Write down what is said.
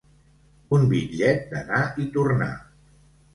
Un bitllet d'anar i tornar.